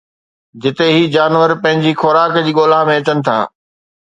جتي هي جانور پنهنجي خوراڪ جي ڳولا ۾ اچن ٿا